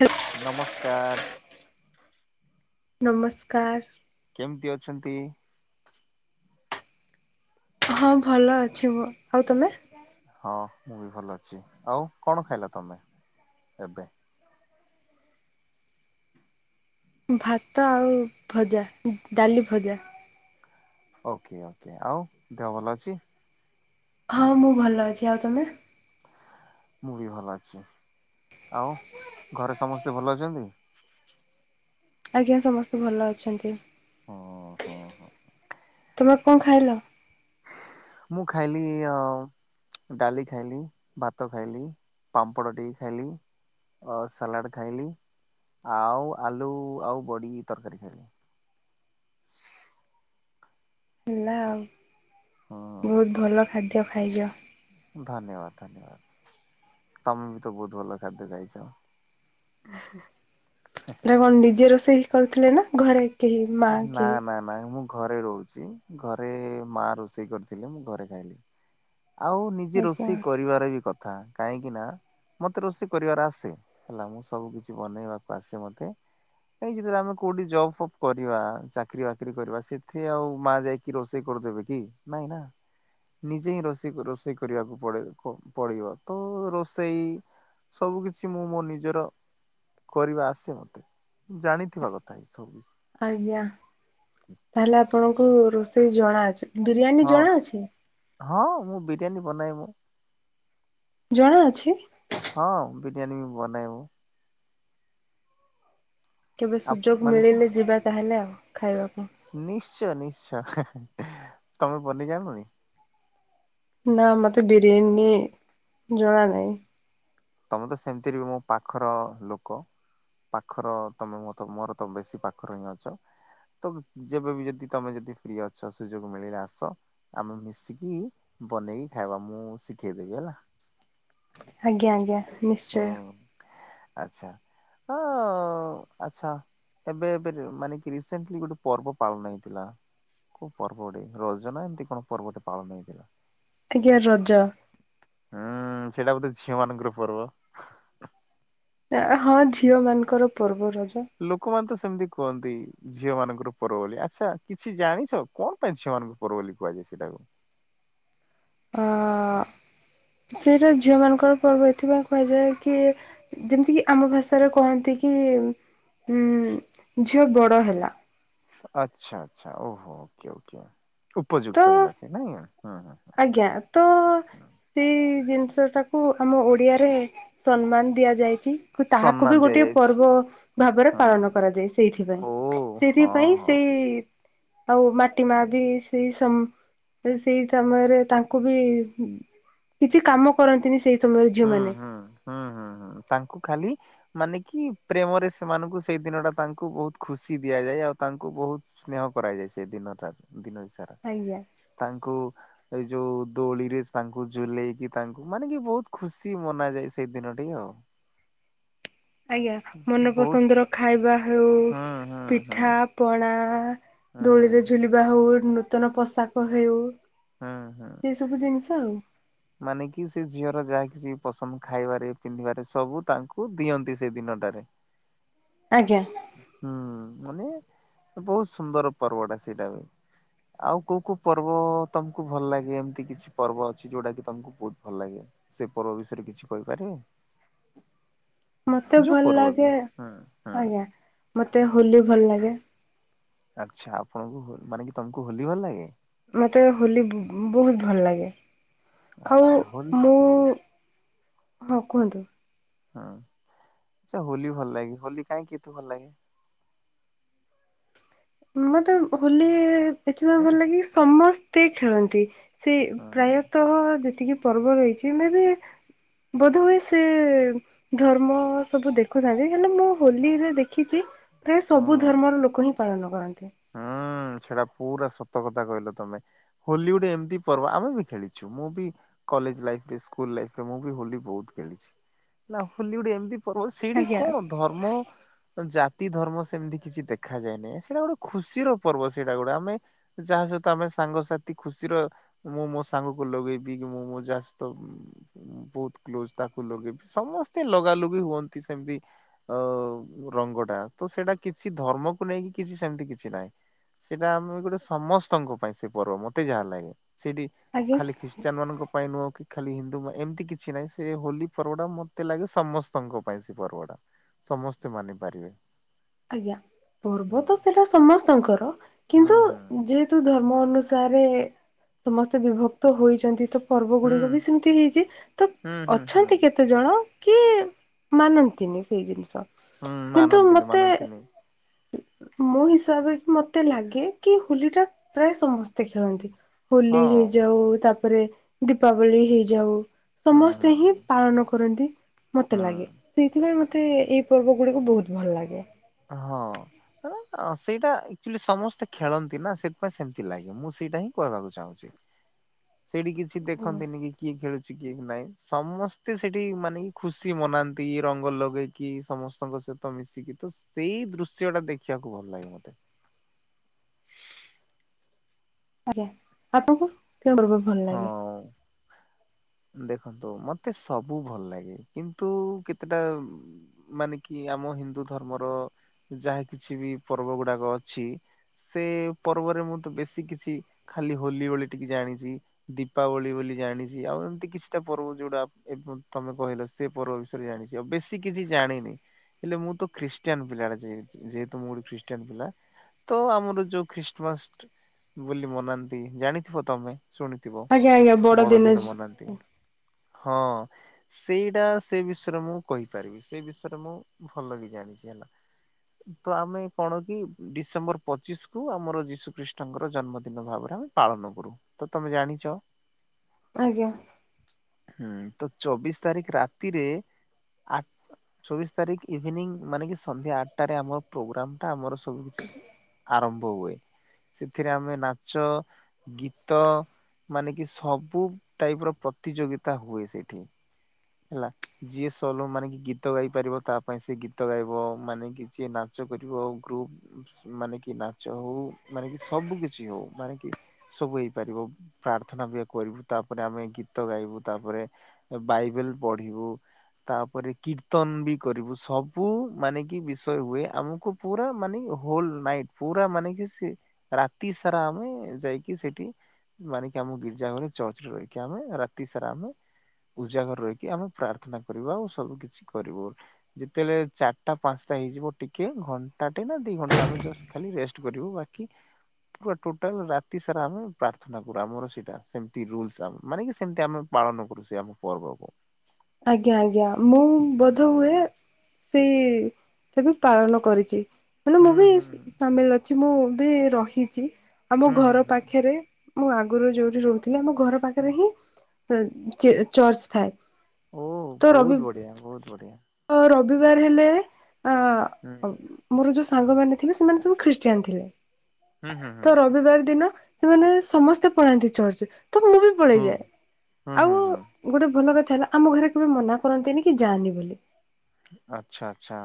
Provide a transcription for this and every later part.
ହେ ନମସ୍କାର। ନମସ୍କାର। କେମିତି ଅଛନ୍ତି? ହଁ ଭଲ ଅଛି ମୁଁ। ଆଉ ତମେ? ହଁ ମୁଁ ବି ଭଲ ଅଛି। ଆଉ କଣ ଖାଇଲା ତମେ ଏବେ? ଭାତ ଆଉ ଭଜା ଡାଲି, ଭଜା। ଓକେ ଓକେ ଆଉ ଦେହ ଭଲ ଅଛି? ହଁ ମୁଁ ଭଲ ଅଛି। ଆଉ ତମେ? ମୁଁ ବି ଭଲ ଅଛି ଆଉ ଘରେ ସମସ୍ତେ ଭଲ ଅଛନ୍ତି। ଆଜ୍ଞା ସମସ୍ତେ ଭଲ ଅଛନ୍ତି। ହଁ। ହଁ ହଁ ତମେ କଣ ଖାଇଲ? ମୁଁ ଖାଇଲି ଆଁ ଡାଳି ଖାଇଲି ଭାତ ଖାଇଲି ପାମ୍ପଡ଼ ଟିକେ ଖାଇଲି ଅ ସାଲାଡ଼ ଖାଇଲି ଆଉ ଆଲୁ ଆଉ ବଡ଼ି ତରକାରୀ ଖାଇଲି। ହେଲା ଆଉ। ହଁ। ବହୁତ ଭଲ ଖାଦ୍ୟ ଖାଇଛ। ଧନ୍ୟବାଦ ଧନ୍ୟବାଦ ତମେ ବି ତ ବହୁତ ଭଲ ଖାଦ୍ୟ ଖାଇଛ। କଣ ନିଜେ ରୋଷେଇ କରିଥିଲେ ନା ଘରେ କେହି ମା ନା କେହି ନା ମାଇ ମୁ ଘରେ ରହୁଛି ଘରେ ମା ରୋଷେଇ କରିଥିଲେ ମୁଁ ଘରେ ଖାଇଲି ଆଉ କିଛି ଆଜ୍ଞା ରୋଷେଇ କରିବାର ବି କଥା। କାହିଁକି ନା ମତେ ରୋଷେଇ କରିବାର ଆସେ ହେଲା ମୁଁ ସବୁ କିଛି ବନେଇବାକୁ ଆସେ ମତେ। ଏଇ ଯେତେବେଳେ ଆମେ କୋଉଠି ଜବ୍ ଫବ୍ କରିବା ଚାକିରି ବାକିରି କରିବା ସେଥି ଆଉ ମା ଯାଇକି ରୋଷେଇ କରିଦେବେ କି ନାଇଁ ନା। ନିଜେ ହିଁ ରୋଷେଇ ରୋଷେଇ କରିବାକୁ ପଡ଼ି ପଡ଼ିବ ତ ରୋଷେଇ ସବୁ କିଛି ମୁଁ ମୋ ନିଜର କରିବା ଆସେ ମତେ ଜାଣିଥିବା କଥା ଏଇ ସବୁ ବିଷୟ। ଆଜ୍ଞା ତାହେଲେ ଆପଣଙ୍କୁ ରୋଷେଇ ଜଣା ଅଛି ବିରିୟାନୀ ହଁ ଜଣା ଅଛି। ହଁ ମୁଁ ବିରିୟାନୀ ବନାଏ ମୁଁ ଜଣା ଅଛି। ହଁ ବିରିୟାନୀ ବନାଏ ମୁଁ। କେବେ ଆପ ସୁଯୋଗ ମାନେ କି ମିଳିଲେ ଯିବା ତାହେଲେ ଆଉ ଖାଇବାକୁ। ନିଶ୍ଚୟ ନିଶ୍ଚୟ ତମେ ବନେଇ ଜାଣନି। ନା ମତେ ବିରିୟାନୀ ଜଣା ନାହିଁ। ତମେ ତ ସେମିତିରେ ବି ମୋ ପାଖର ଲୋକ। ପାଖର ତମେ ମ ତ ମୋର ତ ବେଶୀ ପାଖର ହିଁ ଅଛ। ତ ଯେବେ ଯଦି ତମେ ଯଦି ଫ୍ରି ଅଛ ସୁଯୋଗ ମିଳିଲେ ଆସ। ଆମେ ମିଶିକି ବନେଇକି ଖାଇବା ମୁଁ ଶିଖେଇ ଦେବି ହେଲା। ଆଜ୍ଞା ଆଜ୍ଞା ନିଶ୍ଚୟ। ଆଛା ଓଁ ଆଚ୍ଛା। ଏବେ ଏବେରେ ମାନେ କି ରିସେଣ୍ଟଲି ଗୋଟେ ପର୍ବ ପାଳନ ହେଇଥିଲା। କୋଉ ପର୍ବଗୋଟେ ରଜ ନା ଏମିତି କଣ ପର୍ବଟେ ପାଳନ ହେଇଥିଲା। ଆଜ୍ଞା ରଜ। ହୁଁ ସେଇଟା ବୋଧେ ଝିଅମାନଙ୍କର ପର୍ବ। ଆ ହଁ ଝିଅ ମାନଙ୍କର ପର୍ବ ରଜ। ଲୋକମାନେ ତ ସେମିତି କୁହନ୍ତି ଝିଅ ମାନଙ୍କର ପର୍ବ ବୋଲି ଆଚ୍ଛା କିଛି ଜାଣିଛ କଣ ପାଇଁ ଝିଅମାନଙ୍କୁ ପର୍ବ ବୋଲି କୁହାଯଏ ସେଇଟାକୁ? ହଁ ସେଇଟା ଝିଅ ମାନଙ୍କର ପର୍ବ ଏଥିପାଇଁ କୁହାଯାଏ କି? ଯେମତିକି ଆମ ଭାଷାରେ କହନ୍ତି କି ଉଁ ଝିଅ ବଡ ହେଲା। ଆଚ୍ଛା ଆଚ୍ଛା ଓହୋ ଓକେ ଓକେ। ତ ଉପଯୁକ୍ତ ହେଲା ସିଏ ନାଇଁ ହୁଁ ହୁଁ ହୁଁ ଆଜ୍ଞା ତ ହୁଁ। ସେଇ ଜିନିଷଟାକୁ ଆମ ଓଡ଼ିଆରେ ସମ୍ମାନ ଦିଆଯାଇଚି। କୁ ତାହାକୁ ସମ୍ମାନ ବି ଗୋଟିଏ ଦିଆଯାଇଛି ପର୍ବ ଭାବରେ ହଁ। ପାଳନ କରାଯାଏ ଓ ସେଇଥିପାଇଁ। ହଁ ସେଇଥିପାଇଁ ହଁ ସେଇ ଆଉ ମାଟି ମା ବି ସେଇ ସମ ସେଇ ସମୟରେ ତାଙ୍କୁ ବି କିଛି କାମ କରନ୍ତିନି ସେଇ ସମୟରେ ଝିଅମାନେ ହୁଁ-ହୁଁ-ହୁଁ-ହୁଁ-ହୁଁ। ତାଙ୍କୁ ଖାଲି ମାନେ କି ପ୍ରେମରେ ସେମାନଙ୍କୁ ସେଇ ଦିନଟା ତାଙ୍କୁ ବହୁତ ଖୁସି ଦିଆଯାଏ। ଆଉ ତାଙ୍କୁ ବହୁତ ସ୍ନେହ କରାଯାଇ ସେଇ ଦିନଟା, ଦିନଇସାରା। ଆଜ୍ଞା। ତାଙ୍କୁ ଏଇ ଯୋଉ ଦୋଳିରେ ତାଙ୍କୁ ଝୁଲେଇକି ତାଙ୍କୁ, ମାନେ କି ବହୁତ ଖୁସି ମନାଯାଏ, ସେଇ ଦିନଟି ଆଉ। ଆଜ୍ଞା। ବହୁତ ମନପସନ୍ଦର ଖାଇବା ହେଉ, ହୁଁ ହୁଁ ହୁଁ ପିଠା ପଣା, ହୁଁ ଦୋଳିରେ ଝୁଲିବା ହଉ, ନୂତନ ପୋଷାକ ହେଉ ହୁଁ ହୁଁ। ଏଇ ସବୁ ଜିନିଷ ଆଉ। ମାନେ କି ସେଇ ଝିଅର ଯାହା କିଛି ପସନ୍ଦ ଖାଇବାରେ, ପିନ୍ଧିବାରେ, ସବୁ ତାଙ୍କୁ ଦିଅନ୍ତି ସେଇ ଦିନଟାରେ। ଆଜ୍ଞା। ହୁଁ। ମାନେ, ବହୁତ ସୁନ୍ଦର ପର୍ବଟା ସେଇଟା ବି। ଆଉ କୋଉ କୋଉ ପର୍ବ ତମକୁ ଭଲ ଲାଗେ ଏମତି କିଛି ପର୍ବ ଅଛି, ଯୋଉଟାକି ତମକୁ ବହୁତ ଭଲ ଲାଗେ। ସେ ପର୍ବ ବିଷୟରେ କିଛି କହିପାରିବେ? ମତେ ଯୋଉ ଭଲ ପର୍ବ ବି ଲାଗେ, ହୁଁ ହୁଁ। ଆଜ୍ଞା। ମତେ ହୋଲି ଭଲ ଲାଗେ ଆଚ୍ଛା। ଆପଣଙ୍କୁ ମାନେ କି ତମକୁ ହୋଲି ଭଲ ଲାଗେ? ମତେ ହୋଲି ବୁ-ବୁ-ବହୁତ ଭଲ ଲାଗେ। ଖାଉ ଆଚ୍ଛା ହୋଲି ମୁଁ, ହଁ କୁହନ୍ତୁ। ହୁଁ। ଆଚ୍ଛା ହୋଲି ଭଲ ଲାଗେ। ହୋଲି କାହିଁକି ଏତେ ଭଲ ଲାଗେ? ମତେ ହୋଲି ଇ ଦେଖିବାକୁ ଲାଗେ କି, ସମସ୍ତେ ଖେଳନ୍ତି। ସେଇ ହଁ ପ୍ରାୟତଃ ଯେତିକି ପର୍ବ ରହିଛି, ମେ ବି ବୋଧ ହୁଏ ସେ ଧର୍ମ ସବୁ ଦେଖୁଥାନ୍ତି, ହେଲେ ମୁଁ ହୋଲିରେ ଦେଖିଚି ପ୍ରାୟେ ସବୁ ହଁ ଧର୍ମର ଲୋକ ହିଁ ପାଳନ କରନ୍ତି। ହୁଁ, ସେଟା ପୁରା ସତ କଥା କହିଲ ତମେ। ହୋଲି ଗୋଟେ ଏମତି ପର୍ବ, ଆମେ ବି ଖେଳିଛୁ। ମୁଁ ବି କଲେଜ ଲାଇଫରେ, ସ୍କୁଲ ଲାଇଫରେ, ମୁଁ ବି ହୋଲି ବହୁତ ଖେଳିଛି। ନାଁ, ହୋଲି ଗୋଟେ ଏମତି ପର୍ବ ସେଇଟି ଆଜ୍ଞା କଣ ଧର୍ମ, ଜାତି, ଧର୍ମ ସେମିତି କିଛି ଦେଖାଯାଏନେଇ। ସେଇଟା ଗୋଟେ ଖୁସିର ପର୍ବ ସେଇଟା ଗୋଟେ। ଆମେ ଯାହା ସହିତ ଆମେ ସାଙ୍ଗସାଥି ଖୁସିର ମୁଁ ମୋ ସାଙ୍ଗକୁ ଲଗେଇବି କି, ମୁଁ ମୋ ଯାହା ସହିତ ଉମ୍ ଉମ୍ ବହୁତ କ୍ଲୋଜ ତାକୁ ଲଗେଇବି, ସମସ୍ତିଙ୍କି ଲଗା ଲୁଗି ହୁଅନ୍ତି ସେମତି ଆଉ ରଙ୍ଗଟା, ତ ସେଇଟା କିଛି, ଧର୍ମକୁ ନେଇକି କିଛି, ସେମତି କି କିଛି ନାହିଁ। ସେଇଟା ଆମକୁ ଗୋଟେ ସମସ୍ତଙ୍କ ପାଇଁ ସେ ପର୍ବ ମତେ ଯାହା ଲାଗେ। ସେଇଠି ଆଜ୍ଞା ଖାଲି ଖ୍ରୀଷ୍ଟିୟାନମାନଙ୍କୁ ପାଇଁ ନୁହଁ କି, ଖାଲି ହିନ୍ଦୁ ପାଇଁ, ଏମତି କିଛି ନାହିଁ। ସେ ହୋଲି ପର୍ବଟା ମତେ ଲାଗେ ସମସ୍ତଙ୍କ ପାଇଁ ସେ ପର୍ବଟା। ସମସ୍ତେ ମାନିପାରିବେ। ଆଜ୍ଞା। ପର୍ବ ତ ସେଇଟା ସମସ୍ତଙ୍କର, ହୁଁ କିନ୍ତୁ ହୁଁ ଯେହେ ତୁ ଧର୍ମ ଅନୁସାରେ ସମସ୍ତେ ବିଭକ୍ତ ହୋଇଛନ୍ତି, ତ ପର୍ବ ଗୁଡିକ ବି ହୁଁ ସେମତି ହେଇଛି, ତ ହୁଁ ହୁଁ ଅଛନ୍ତି କେ କେତେଜଣ କି, ମାନନ୍ତିନି ସେଇ ଜିନିଷ। ହୁଁ। କିନ୍ତୁ ମାନନ୍ତିନି, ମତେ ମାନନ୍ତିନି। [inaudible] ମୋ ହିସାବରେ କି ମତେ ଲାଗେ, କି ହୋଲିଟା ପ୍ରାୟ ସମସ୍ତେ ଖେଳନ୍ତି। ହୋଲି ହଁ ହେଇଯାଉ, ତାପରେ ଦୀପାବଳି ହେଇଯାଉ ହୁଁ ହୁଁ ସମସ୍ତେ ହିଁ ହୁଁ ପାଳନ କରନ୍ତି, ମତେ ଲାଗେ। ହୁଁ ସେଇଥିପାଇଁ ମତେ ଏଇ ପର୍ବଗୁଡିକୁ ବହୁତ ଭଲ ଲାଗେ। ହଁ। ସେଇଟା ଆକ୍ଚୁଆଲି ସମସ୍ତେ ଖେଳନ୍ତି ନା, ସେଥିପାଇଁ ସେମତି ଲାଗେ। ମୁଁ ସେଇଟା ହିଁ କହିବାକୁ ଚାହୁଁଛି। [inaudible] ସେଇଠି କିଛି ଆଜ୍ଞା ଦେଖନ୍ତିନି କି କିଏ ଖେଳୁଛି କିଏ ନାହିଁ। ସମସ୍ତେ ସେଇଠି ମାନେ ଖୁସି ମନାନ୍ତି ରଙ୍ଗ ଲଗେଇକି ସମସ୍ତଙ୍କ ସହିତ ମିଶିକି ତ ସେଇ ଦୃଶ୍ୟ ଟା ଦେଖିବାକୁ ଭଲ ଲାଗେ ମତେ। ଆଜ୍ଞା ଆପଣଙ୍କୁ କେଉଁ ପର୍ବ ଭଲ ହଁ। ଲାଗେ ଦେଖନ୍ତୁ ମତେ ସବୁ ଭଲ ଲାଗେ କିନ୍ତୁ କେତେଟା ମାନେ କି ଆମ ହିନ୍ଦୁ ଧର୍ମର ଯାହା କିଛିବି ପର୍ବ ଗୁଡାକ ଅଛି। ସେ ପର୍ବରେ ମୁଁ ତ ବେଶୀ କିଛି ଖାଲି ହୋଲି ବୋଲି ଟିକେ ଜାଣିଛି। ଦୀପାବଳି ବୋଲି ଜାଣିଛି ଆଉ ଏମିତି କିଛିଟା ପର୍ବ ଯୋଉଟା ଆ ଏବେ ତମେ କହିଲ। ସେ ପର୍ବ ବିଷୟରେ ଜାଣିଛି ଆଉ ବେଶୀ କିଛି ଜାଣିନି। ହେଲେ ମୁଁ ତ ଖ୍ରୀଷ୍ଟିଆନ ପିଲାଟେ ଯେହେତୁ ମୁଁ ଗୋଟେ ଖ୍ରୀଷ୍ଟିଆନ୍ ପିଲା। ତ ଆମର ଯୋଉ ଖ୍ରୀଷ୍ଟମାସ ବୋଲି ମନାନ୍ତି ଜାଣିଥିବ ତମେ ଶୁଣି ଥିବ ବଡ ଦିନ ମନାନ୍ତି, ହଁ। ସେଇଟା ସେ ବିଷୟରେ ମୁଁ କହିପାରିବି ସେ ବିଷୟରେ ମୁଁ ଭଲେକି ଜାଣିଛି ହେଲା। [inaudible] ତ ଆମେ କଣ କି ଡିସେମ୍ବର ପଚିଶକୁୁ ଆମର ଯୀଶୁ ଖ୍ରୀଷ୍ଟଙ୍କର ଜନ୍ମଦିନ ଭାବରେ ଆମେ ପାଳନ କରୁ। ତ ତମେ ଜାଣିଛ ଆଜ୍ଞା। ହୁଁ ତ ଚବିଶ ତାରିଖ ରାତିରେ ଆ ଚବିଶ ତାରିଖ ଇଭିନିଂ ମାନେ କି ସନ୍ଧ୍ୟା ଆଠଟାରେ ଆମର ପ୍ରୋଗ୍ରାମ ଟା ଆମର ସବୁ କିଛି ଆରମ୍ଭ ହୁଏ ସେଥିରେ ଆମେ ନାଚ, ଗୀତ। ମାନେ କି ସବୁ ଟାଇପ ର ପ୍ରତିଯୋଗିତା ହୁଏ ସେଇଠି ହେଲା। ଯିଏ ସୋଲୋ ମାନେ କି ଗୀତ ଗାଇ ପାରିବ ତା ପାଇଁ ସିଏ ଗୀତ ଗାଇବ ମାନେ କି ଯିଏ ନା ଚ କରିବ ଆଉ ଗ୍ରୁପ୍ ମାନେ କି ନାଚ ହଉ ମାନେ କି ସବୁ କିଛି ହଉ ମାନେ କି ସବୁ ହେଇପାରିବ। ପ୍ରାର୍ଥନା ବି କରିବୁ ତାପରେ ଆମେ ଗୀତ ଗାଇବୁ ତାପରେ ବାଇବେଲ ପଢିବୁ। ତାପରେ କୀର୍ତ୍ତନ ବି କରିବୁ ସବୁ ମାନେ କି ବିଷୟ ହୁଏ ଆମକୁ ପୁରା ମାନେ କି ହୋଲ ନାଇଟ୍ ପୁରା ମାନେ କି ସେ ରାତି ସାରା ଆମେ ଯାଇକି ସେଠି ମାନେ କି ଆମ ଗିର୍ଜା ଘରେ ଚର୍ଚ୍ଚରେ ରହିକି ଆମେ ରାତି ସାରା ଆମେ ଉଜାଗର ରହିକି ଆମେ ପ୍ରାର୍ଥନା କରିବୁ ଆଉ ସବୁ କିିଛି କରିବୁ। ଯେତେବେଳେ ଚାରିଟା ପାଞ୍ଚଟା ହେଇଯିବ ଟିକେ ଘଣ୍ଟା ଟେ ନା ଦିଇ ଘଣ୍ଟା ଆମେ ଜଷ୍ଟ ଖାଲି ରେଷ୍ଟ କରିବୁ ବାକି [unintelligible] ଟୋଟାଲ ରାତି ସାରା ଆମେ ପାର୍ କରୁ ଆମର ସେଇଟା ସେମିତି ରୁଲ୍ସ ମାନେ ସେମିତି ଆମେ ପାଳନ କରୁ ସେ ଆମ ପର୍ବକୁ। ଆଜ୍ଞା ଆଜ୍ଞା ମୁଁ ବୋଧ ହୁଏ ହୁଁ ସେଇ ସେ ବି ପାଳନ କରିଛି ମାନେ ମୁଁ ହୁଁ ବି ହୁଁ ସାମିଲ ଅଛି ମୁଁ ବି ରହିଛି। ଆମ ହୁଁ ହୁଁ ଘର ପାଖରେ ମୁଁ ଆଗରୁ ଯୋଉଠି ରହୁଥିଲି ଆମ ଘର ହୁଁ। ପାଖରେ ହିଁ ଚି ଚର୍ଚ୍ଚ ଥାଏ। ଓ ତ ରବି ବହୁତ ବଢ଼ିଆ ବହୁତ ବଢ଼ିଆ। ରବିବାର ହେଲେ ହୁଁ ଅ ମୋର ଯୋଉ ସାଙ୍ଗମାନେ ଥିଲେ ସେମାନେ ସବୁ ଖ୍ରୀଷ୍ଟିଆନ ଥିଲେ ହୁଁ ହୁଁ ହୁଁ। ତ ରବିବାର ଦିନ। ସେମାନେ ସମସ୍ତେ ପଳାନ୍ତି ଚର୍ଚ୍ଚ ତ ମୁଁ ବି ହୁଁ। ପଳେଇଯାଏ ହୁଁ ହୁଁ ଆଉ ହୁଁ। ଗୋଟେ ଭଲ କଥା ହେଲା ଆମ ଘରେ କେବେ ମନା କରନ୍ତିନି କି ଯାଆନି ବୋଲି। ଆଚ୍ଛା ଆଛା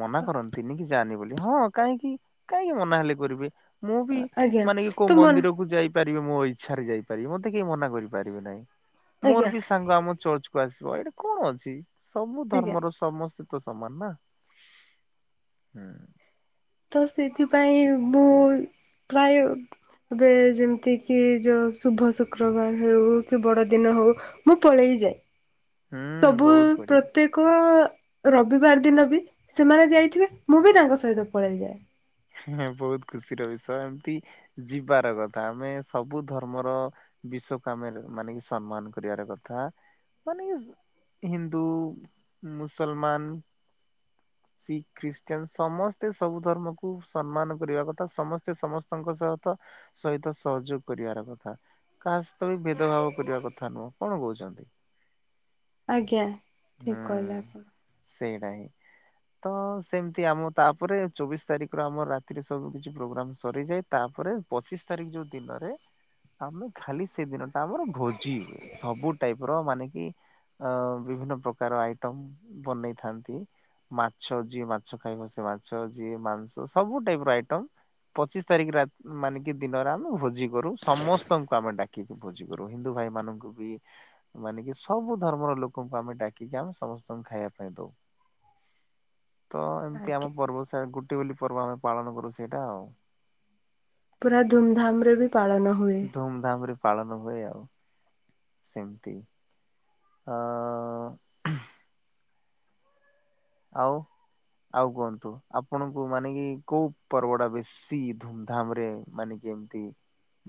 ମନା କରନ୍ତିନି କି ଯାନି ବୋଲି ହଁ କାହିଁକି? କାହିଁକି ମନା ହେଲେ କରିବେ ମୁଁ ବି ଆଜ୍ଞା ମାନେ କି ତ କୋଉ ମନ ମନ୍ଦିରକୁ ଯାଇି ପାରିବି ମୋ ଇଚ୍ଛାରେ ଯାଇପାରିବି ମତେ କେହି ମନା କରିପାରିବେ ନାହିଁ ଆଜ୍ଞା ମୋର ବି ସାଙ୍ଗ ଆମ ଚର୍ଚ୍ଚ ଆସିବ ଏଇଟା କଣ ଅଛି ସବୁ ଆଜ୍ଞା ଧର୍ମର ସମସ୍ତ ସ୍ତେ ତ ସମାନ ନା ହୁଁ। ତ ସେ ସେଥିପାଇଁ ମୁଁ ପ୍ରାୟ ଏବେ ଯେମିତି କିି ଯୋଉ ଶୁଭ ଶୁକ୍ରବାର ହେଉ କି ବଡ଼ଦିନ ହଉ ମୁଁ ପଳେଇଯାଏ ହୁଁ ତବୁ ବହୁତ ବଢିଆ ପ୍ରତେ କ ରବିବାର ଦିନ ବି ସେମାନେ ଯାଇଥିବେ ମୁଁ ବି ତାଙ୍କ ସହିତ ପଳାଇଯାଏ। ହଁ ବହୁତ ଖୁସି ର ବିଷୟ ଏମତି ଯିବାର କଥା ଆମେ ସବୁ ଧର୍ମର ବିଶ୍ଵ କାମରେ ମାନେ କି ସମ୍ମାନ କରିବାର କଥା ମାନେ। ୱେନ ଇଜି ହିନ୍ଦୁ ମୁସଲମାନ। ଶିଖ ଖ୍ରୀଷ୍ଟିୟନ ସମସ୍ତେ ସବୁ ଧର୍ମକୁ ସମ୍ମାନ କରିବା କଥା ସମସ୍ତେ ସମସ୍ତଙ୍କ ସହତ ସହିତ ସହଯୋଗ କରିବାର କଥା। କାହା ସହିତ ବି ଭେଦଭାବ କରିବା କଥା ନୁହଁ କଣ କହୁଛନ୍ତି? [unintelligible] ଆଜ୍ଞା ଠିକ ହୁଁ କହିଲେ ଆପଣ ସେଇଟା ହିଁ। ତ ସେମିତି ଆମ ତାପରେ ଚବିଶ ତାରିଖ ର ଆମର ରାତିରେ ସବୁ କିଛି ପ୍ରୋଗ୍ରାମ ସରିଯାଏ। ତାପରେ ପଚିଶ ତାରିଖ ଯୋଉ ଦିନରେ ଆମେ ଖାଲି ସେ ଦିନ ଆମର ଭୋଜି ହୁଏ ସବୁ ଟାଇପ ର ମାନେକି ଅ ବିଭିନ୍ନ ପ୍ରକାର ଆଇଟମ ବନେଇଥାନ୍ତି। ମାଛ ଯିଏ ମାଛ ଖାଇବ ସେ ମାଛ ଯିଏ ମାଂସ ସବୁ ଟାଇପ ର ଆଇଟମ ପଚିଶ ତାରିଖ ରାତ ମାନେ କି ଦିନରେ ଆମେ ଭୋଜି କରୁ ସମସ୍ତଙ୍କୁ ଆମେ ଡା କି ଭୋଜି କରୁ ହିନ୍ଦୁ ଭାଇ ମାନଙ୍କୁ ବି ମାନେ କି ସବୁ ଧର୍ମର ଲୋକଙ୍କୁ ଆମେ ଡାକିକି ଆମେ ସମସ୍ତଙ୍କୁ ଖାଇବା ପାଇଁ ଦଉ ତ ଏମିତି ଆମ ଆଜ୍ଞା ପର୍ବ ସ ଗୋଟେ ବୋଲି ପର୍ବ ଆମେ ପାଳନ କରୁ ସେଇଟା ଆଉ ପୁରା ଧୁମଧାମ ରେ ବି ପାଳନ ହୁଏ। ଧୁମଧାମ ରେ ପାଳନ ହୁଏ ଆଉ ସେମତି। ଆଃ ଆଉ ଆଉ କୁହନ୍ତୁ ଆପଣଙ୍କୁ ମାନେ କି କୋଉ ପର୍ବ ଟା ବେଶୀ ଧୁମଧାମ ରେ ମାନେ କେମତି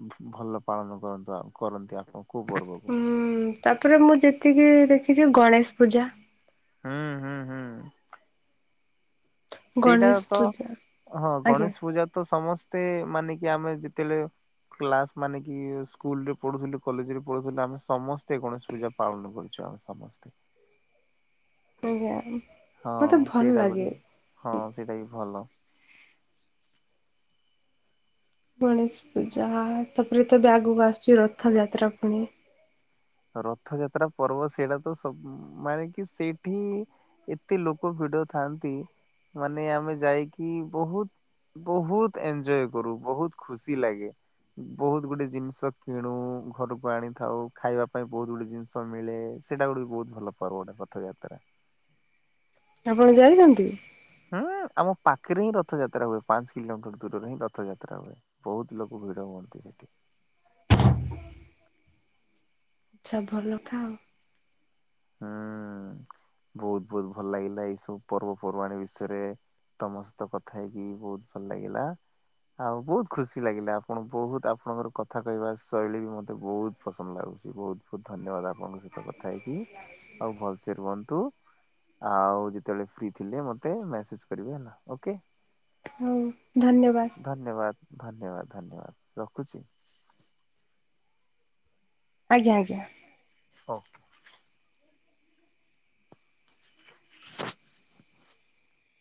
ଭ ଭଲ ପାଳନ କରନ୍ତୁ କରନ୍ତି ଆପଣ କେଉଁ ପର୍ବକୁ? ଉଁ ତାପରେ ମୁଁ ଯେତିକି ଦେଖିଚି ଗଣେଶ ପୂଜା। ହୁଁ ହୁଁ ହୁଁ ସେଇଟା ଗଣେଶ ତ ପୂଜା ହଁ ଆଜ୍ଞା ଗଣେଶ ପୂଜା ତ ସମସ୍ତେ ମାନେ କି ଆମେ ଯେତେଳେ କ୍ଲାସ ମାନେ କି ସ୍କୁଲରେ ପଢୁଥିଲୁ କଲେଜରେ ପଢୁଥିଲୁ ଆମେ ସମସ୍ତେ ଗଣେଶ ପୂଜା ପାଳନ କରୁଛୁ ଆମେ ସମସ୍ତେ ଆଜ୍ଞା ହଁ ମତେ ଭଲ ସେଇଟା ଗୋଟେ ଲାଗେ। ହଁ ସେଇଟା ବି ଭଲ। ଗଣେଶ ପୂଜା, ତାପରେ ଏବେ ଆଗକୁ ଆସୁଛି ରଥଯାତ୍ରା ପୁଣି। ରଥଯାତ୍ରା ପର୍ବ, ସେଇଟା ତ ସବ ମାନେ କି ସେଠି ଏତେ ଲୋକ ଭିଡ ଥାନ୍ତି, ମାନେଆମେ ଯାଇକି ବହୁତ ବହୁତ ଏଞ୍ଜୟ୍ କରୁ, ବହୁତ ଖୁସି ଲାଗେ। ବହୁତ୍ ଗୁଡେ ଜିନିଷ କିଣୁ, ଘରକୁ ଆଣିଥାଉ ଖାଇବା ପାଇଁ ବହୁତ ଗୁଡେ ଜିନିଷ ମିଳେ, ସେଇଟା ଗୋଟେବି ବହୁତ ଭଲ ପର୍ବ ଗୋଟେ ରଥଯାତ୍ରା। ଆପଣ ଜାଣିଚନ୍ତି? ହୁଁ ଆମ ପାଖରେ ହିଁ ରଥଯାତ୍ରା ହୁଏ, ପାଞ୍ଚ କିଲୋମିଟର ଦୂରରେ ହିଁ ରଥଯାତ୍ରା ହୁଏ। ବହୁତ ଲୋକ ଭିଡ଼ ହୁଅନ୍ତି ସେଠି। ଆଛା ଭଲ ଖାଅ। ହୁଁ ବହୁତ, ବହୁତ ଭଲ ଲାଗିଲା ଏଇ ସବୁ ପର୍ବପର୍ବାଣି ବିଷୟରେ ତମ ସହିତ କଥା ହେଇକି ବହୁତ ଭଲ ଲାଗିଲା। ଆଉ ବହୁତ ଖୁସି ଲାଗିଲା, ଆପଣ ବହୁତ ଆପଣଙ୍କର କଥା କହିବା ଶୈଳୀ ବି ମତେ ବହୁତ୍ ପସନ୍ଦ ଲାଗୁଚି ବହୁତ, ବହୁତ ଧନ୍ୟବାଦ ଆପଣଙ୍କ ସହିତ କଥା ହେଇକି? ଆଉ ଭଲ ସେ ରୁହନ୍ତୁ। ଆଉ ଯେତେବେଳେ ଫ୍ରି ଥିଲେ, ମୋତେ ମ୍ୟାସେଜ କରିବେ ନା ଓକେ। ହଉ ଧନ୍ୟବାଦ। ଧନ୍ୟବାଦ ଧନ୍ୟବାଦ ଧନ୍ୟବାଦ ରଖୁଚି। ଆଜ୍ଞା ଆଜ୍ଞା। ହଉ [inaudible]